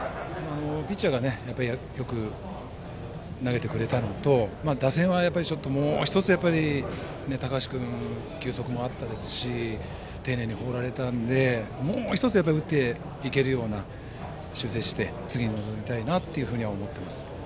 ピッチャーがよく投げてくれたのと打線は、もうひとつ高橋君は球速もありましたし丁寧に放られたのでもう１つ、打っていけるように修正して次に臨みたいなと思っています。